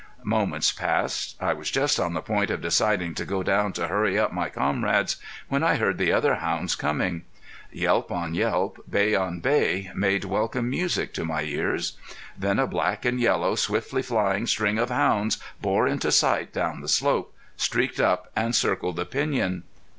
Moments passed. I was just on the point of deciding to go down to hurry up my comrades, when I heard the other hounds coming. Yelp on yelp, bay on bay, made welcome music to my ears. Then a black and yellow, swiftly flying string of hounds bore into sight down the slope, streaked up and circled the piñon.